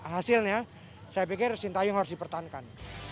hasilnya saya pikir sinta yong harus dipertahankan